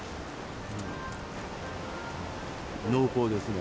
濃厚ですね。